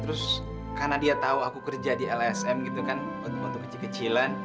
terus karena dia tahu aku kerja di lsm gitu kan untuk waktu kecil kecilan